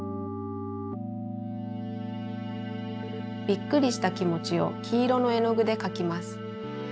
びっくりしたきもちをきいろのえのぐでかきます。